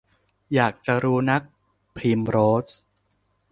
อยากจะรู้นัก - พริมโรส